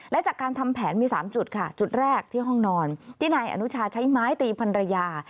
และจากการทำแผนมี๓จุดค่ะจุดแรกที่ห้องนอนที่นายอนุชาใช้ไม้ตีพันรยา